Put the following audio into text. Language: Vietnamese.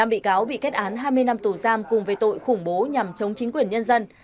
năm bị cáo bị kết án hai mươi năm tù giam cùng với tội khủng bố nhằm chống chính quyền nhân dân